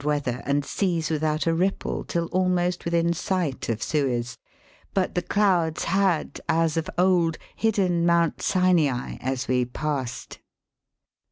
347 weather and seas without a ripple till almost within sight of Suez ; but the clouds had, a& of old, hidden Mount Sinai as we passed.